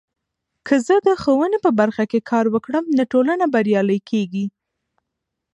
که زه د ښوونې په برخه کې کار وکړم، نو ټولنه بریالۍ کیږي.